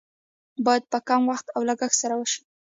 باید په کم وخت او لګښت سره وشي.